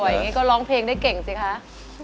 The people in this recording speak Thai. อย่างนี้ก็ร้องเพลงได้เก่งสิคะ